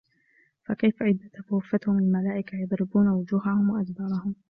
فَكَيفَ إِذا تَوَفَّتهُمُ المَلائِكَةُ يَضرِبونَ وُجوهَهُم وَأَدبارَهُم